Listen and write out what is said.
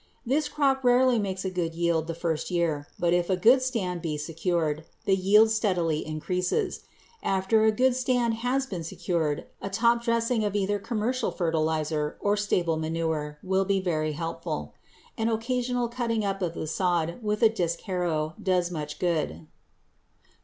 This crop rarely makes a good yield the first year, but if a good stand be secured, the yield steadily increases. After a good stand has been secured, a top dressing of either commercial fertilizer or stable manure will be very helpful. An occasional cutting up of the sod with a disk harrow does much good.